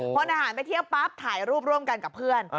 พลทหารไปเที่ยวปั๊บถ่ายรูปร่วมกันกับเพื่อน